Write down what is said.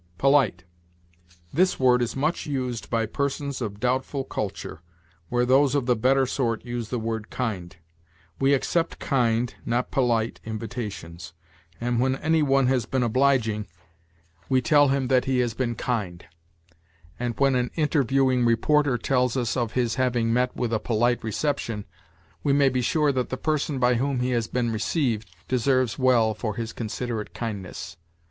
POLITE. This word is much used by persons of doubtful culture, where those of the better sort use the word kind. We accept kind, not polite invitations; and, when any one has been obliging, we tell him that he has been kind; and, when an interviewing reporter tells us of his having met with a polite reception, we may be sure that the person by whom he has been received deserves well for his considerate kindness.